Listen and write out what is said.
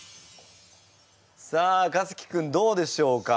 さあかつき君どうでしょうか？